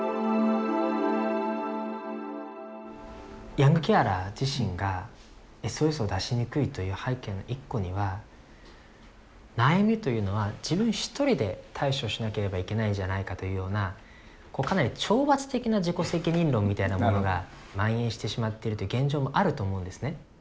ヤングケアラー自身がＳＯＳを出しにくいという背景の一個には悩みというのは自分一人で対処しなければいけないんじゃないかというようなこうかなり懲罰的な自己責任論みたいなものがまん延してしまってるという現状もあると思うんですね。